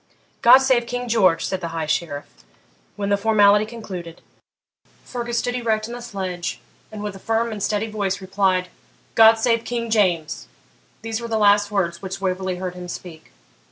'God save King George!' said the High Sheriff. When the formality concluded, Fergus stood erect in the sledge, and, with a firm and steady voice, replied,' God save King JAMES!' These were the last words which Waverley heard him speak.